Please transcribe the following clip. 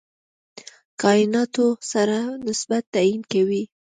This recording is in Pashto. کایناتو سره نسبت تعیین کوي.